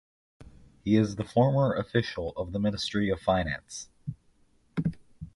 He is the former official of the ministry of finance.